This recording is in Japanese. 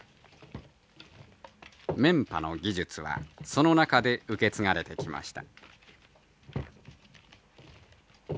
メンパの技術はその中で受け継がれてきました。